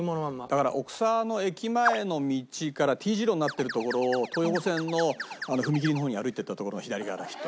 だから奥沢の駅前の道から丁字路になっている所を東横線の踏切の方に歩いていった所の左側だきっと。